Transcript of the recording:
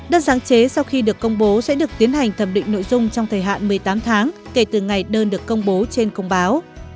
đơn sáng chế sau khi được công bố sẽ được tiến hành thẩm định nội dung trong thời hạn một mươi tám tháng kể từ ngày đơn được công bố trên công báo